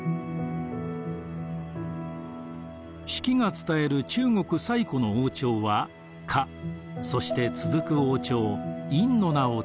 「史記」が伝える中国最古の王朝は夏そして続く王朝殷の名を伝えています。